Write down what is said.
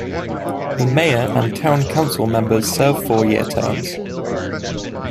The Mayor and Town Council members serve four year terms.